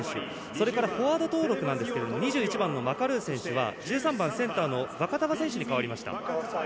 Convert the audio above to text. それからフォワード登録ですが２１番のマカルー選手がセンターのバカタバ選手に代わりました。